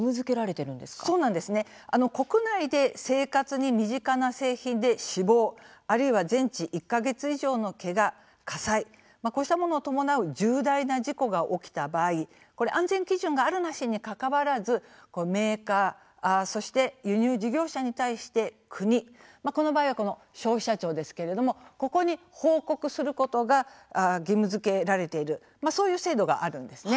国内で生活に身近な製品で死亡あるいは全治１か月以上のけが火災、こうしたものを伴う重大な事故が起きた場合安全基準があるなしにかかわらずメーカー、そして輸入事業者に対して国、この場合はこの消費者庁ですけれどもここに報告することが義務づけられているそういう制度があるんですね。